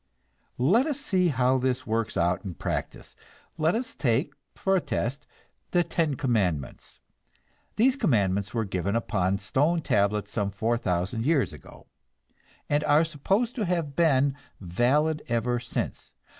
Let us see how this works out in practice. Let us take, for a test, the Ten Commandments. These commandments were graven upon stone tablets some four thousand years ago, and are supposed to have been valid ever since.